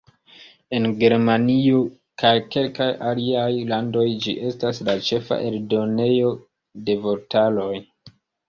En Germanio kaj kelkaj aliaj landoj ĝi estas la ĉefa eldonejo de vortaroj.